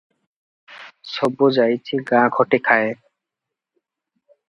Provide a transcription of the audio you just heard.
ସବୁ ଯାଇଛି ଗାଁ ଖଟି ଖାଏ ।